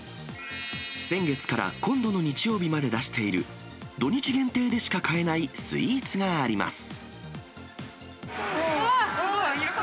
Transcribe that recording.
先月から今度の日曜日まで出している、土日限定でしか買えないスイーツがあります。